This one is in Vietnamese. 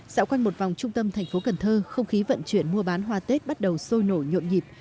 dạo quanh một vòng trung tâm thành phố cần thơ không khí vận chuyển mua bán hoa tết bắt đầu sôi nổi nhộn nhịp